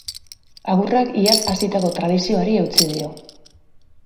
Agurrak iaz hasitako tradizioari eutsi dio.